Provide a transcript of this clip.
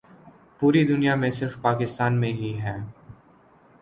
پوری دنیا میں صرف پاکستان میں ہی ہیں ۔